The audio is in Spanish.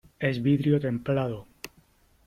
es vidrio templado .